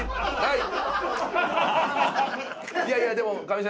いやいやでも上白石さん